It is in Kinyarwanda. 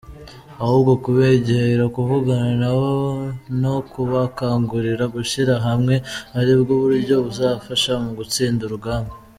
Ahubwo kubegera, kuvugana nabo no kubakangurira gushyira hamwe aribwo uburyo buzafasha mu gutsinda urugamba.